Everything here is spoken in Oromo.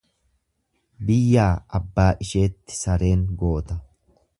Biyyaa abbaa isheetti sareen goota.